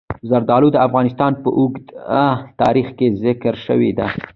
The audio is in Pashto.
زردالو د افغانستان په اوږده تاریخ کې ذکر شوی دی.